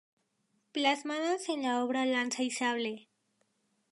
Plasmadas en la obra Lanza y Sable.